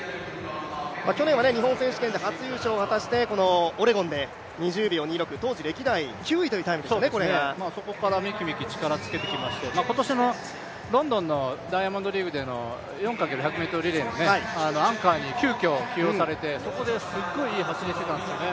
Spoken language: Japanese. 去年は日本選手権で初優勝を果たして、オレゴンで２０秒２９そこからめきめき力をつけてきまして、今年のロンドンのダイヤモンドリーグでの４×１００ｍリレーのアンカーに急きょ起用されて、そこですごくいい走りをしていたんですよね、